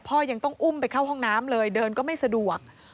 ยังต้องอุ้มไปเข้าห้องน้ำเลยเดินก็ไม่สะดวก